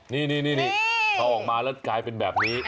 นี่พอออกมาแล้วกลายเป็นแบบนี้